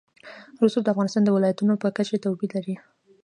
رسوب د افغانستان د ولایاتو په کچه توپیر لري.